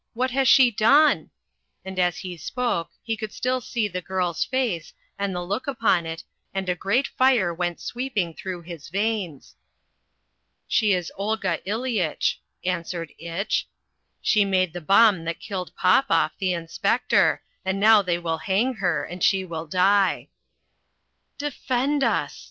"What has she done?" and as he spoke he could still see the girl's face, and the look upon it, and a great fire went sweeping through his veins. "She is Olga Ileyitch," answered Itch, "She made the bomb that killed Popoff, the inspector, and now they will hang her and she will die." "Defend us!"